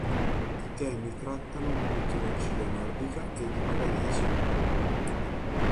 I temi trattano di mitologia nordica e di paganesimo.